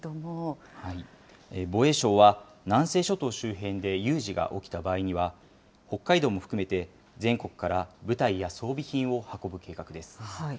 防衛省は、南西諸島周辺で有事が起きた場合には、北海道も含めて、全国から部隊や装備品を運ぶ計画です。